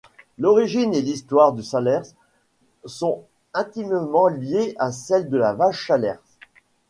L'origine et l'histoire du salers sont intimement liées à celles de la vache salers.